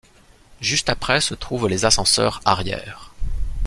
Juste après se trouvent les ascenseurs arrières.